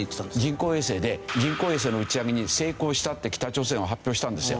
人工衛星で人工衛星の打ち上げに成功したって北朝鮮は発表したんですよ。